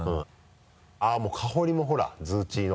あっもうかほりもほらズーチーの。